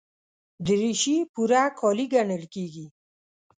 دریشي پوره کالي ګڼل کېږي.